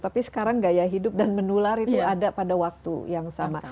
tapi sekarang gaya hidup dan menular itu ada pada waktu yang sama